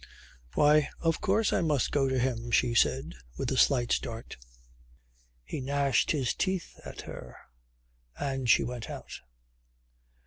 "Why, of course, I must go to him," she said with a slight start. He gnashed his teeth at her and she went out.